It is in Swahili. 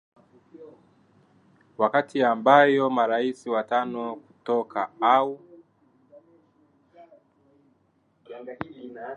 wakati ambayo marais watano kutoka au